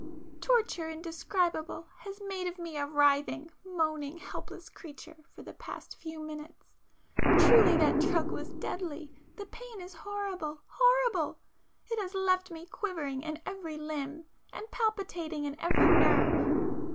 ····· Torture indescribable has made of me a writhing, moaning, helpless creature for the past few minutes. Truly that drug was deadly;—the pain is horrible ... horrible! ... it has left me quivering in every limb and palpitating in every nerve.